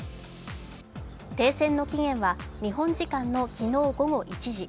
停戦の期限は日本時間の昨日午後１時。